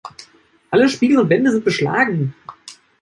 Alle Spiegel und Wände sind beschlagen.